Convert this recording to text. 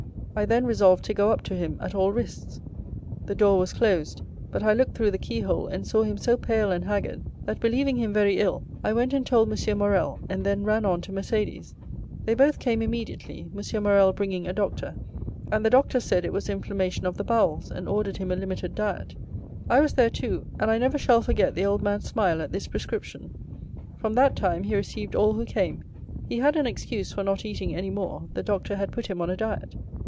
I then resolved to go up to him at all risks. The door was closed, but I looked through the keyhole, and saw him so pale and haggard, that believing him very ill, I went and told M. Morrel and then ran on to Mercédès. They both came immediately, M. Morrel bringing a doctor, and the doctor said it was inflammation of the bowels, and ordered him a limited diet. I was there, too, and I never shall forget the old man's smile at this prescription. "From that time he received all who came; he had an excuse for not eating any more; the doctor had put him on a diet."